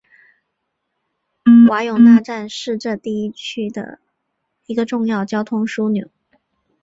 瓦永纳站是这一地区的一个重要交通枢纽。